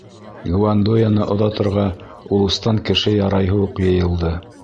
Гвандояны оҙатырға улустан кеше ярайһы уҡ йыйылды.